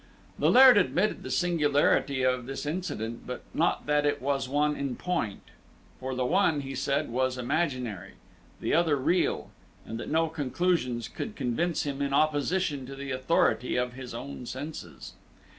The Laird admitted the singularity of this incident, but not that it was one in point; for the one, he said, was imaginary, the other real, and that no conclusions could convince him in opposition to the authority of his own senses.